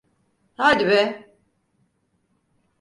Haydi be!